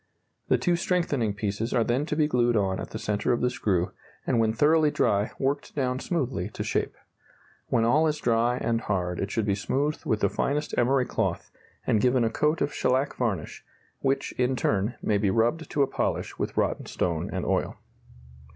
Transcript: The two strengthening piece's are then to be glued on at the centre of the screw, and when thoroughly dry, worked down smoothly to shape. When all is dry and hard it should be smoothed with the finest emery cloth and given a coat of shellac varnish, which, in turn, may be rubbed to a polish with rotten stone and oil.